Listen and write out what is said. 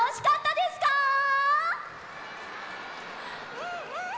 うんうん！